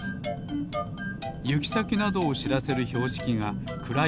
ゆきさきなどをしらせるひょうしきがくらい